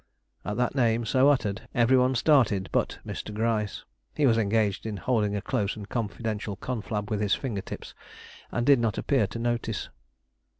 At that name, so uttered, every one started but Mr. Gryce; he was engaged in holding a close and confidential confab with his finger tips, and did not appear to notice.